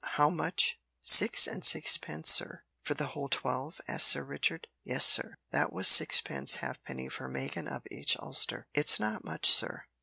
"How much?" "Six and sixpence, sir." "For the whole twelve?" asked Sir Richard. "Yes, sir that was sixpence halfpenny for makin' up each ulster. It's not much, sir."